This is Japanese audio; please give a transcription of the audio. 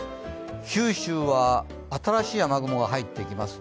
九州は、新しい雨雲が入ってきます。